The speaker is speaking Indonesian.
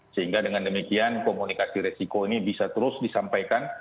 sehingga dengan demikian komunikasi resiko ini bisa terus disampaikan